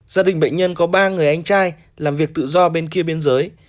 gia đình bệnh nhân có ba người anh trai làm việc tự do bên kia biên giới